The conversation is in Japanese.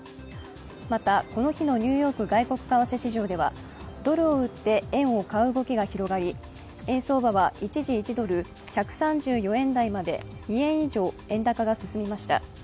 また、この日のニューヨーク株式市場ではドルを売って、円を買う動きが広がり、円相場は一時、１ドル＝１３４円台まで２円以上、円高が進みました。